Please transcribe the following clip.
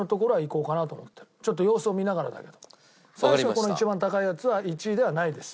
この一番高いやつは１位ではないです。